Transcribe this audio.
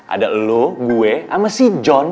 ada lo gue sama si john